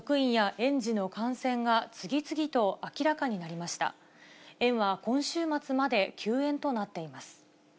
園は、今週末まで休園となっています。